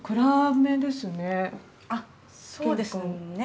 あっそうですね。